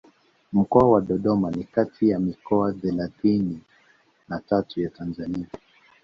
Mkoa wa Dodoma ni kati ya mikoa thelathini na tatu ya Tanzania